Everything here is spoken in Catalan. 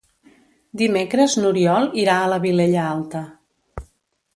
Dimecres n'Oriol irà a la Vilella Alta.